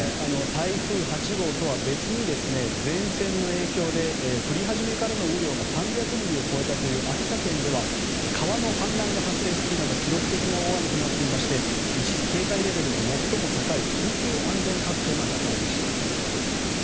台風８号とは別に前線の影響で降り始めからの雨量が３００ミリを超えたという秋田県では川の氾濫が発生するなど記録的な大雨となっていまして一時、警戒レベルが最も高い緊急安全確保が出されました。